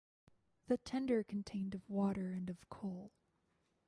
The tender contained of water and of coal.